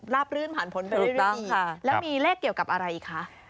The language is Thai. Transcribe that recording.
ราบรื่นผ่านผลไปได้ดีและมีเลขเกี่ยวกับอะไรอีกคะ